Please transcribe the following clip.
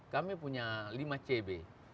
kami punya lima cb